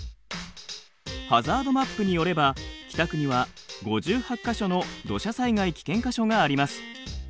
ハザードマップによれば北区には５８か所の土砂災害危険箇所があります。